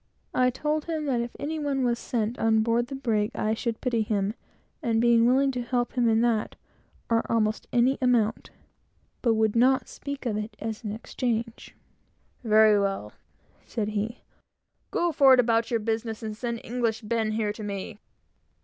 I told him that if any one was sent on board the brig, I should pity him, and be willing to help him to that, or almost any amount; but would not speak of it as an exchange. "Very well," said he. "Go forward about your business, and send English Ben here to me!"